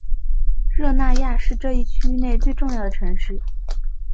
热那亚是这一区域内最重要的城市。